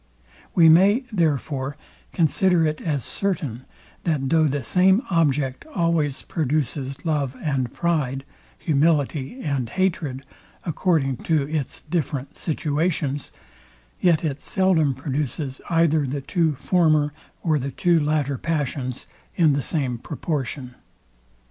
We may, therefore, consider it as certain, that though the same object always produces love and pride, humility and hatred, according to its different situations, yet it seldom produces either the two former or the two latter passions, in the same proportion.